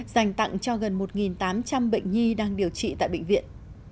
dành tặng cho gần một tám trăm linh bệnh nhi đang điều trị tại bệnh viện